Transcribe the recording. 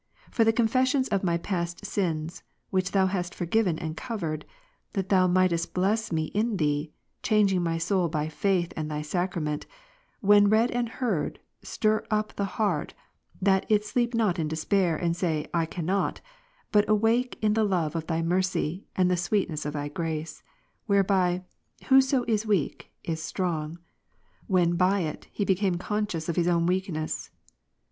For the confessions of my past sins, which Thou hast forgiven and covered, Ps 32, l. that Thou mightest bless me in Thee, changing my soul by Faith and Thy Sacrament, when read and heard, stir up the heart, that it sleep not in despair and say "I cannot," but awake in the love of Thy mercy and the sweetness of Thy grace, whereby, whoso is weak, is strong, when by it he be came conscious of his own weakness.